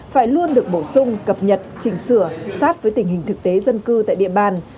phải luôn được bổ sung cập nhật chỉnh sửa sát với tình hình thực tế dân cư tại địa bàn